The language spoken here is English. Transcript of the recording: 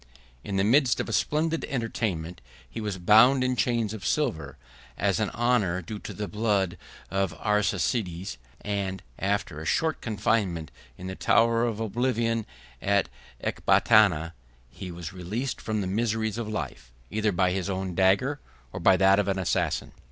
In the midst of a splendid entertainment, he was bound in chains of silver, as an honor due to the blood of the Arsacides; and, after a short confinement in the Tower of Oblivion at Ecbatana, he was released from the miseries of life, either by his own dagger, or by that of an assassin.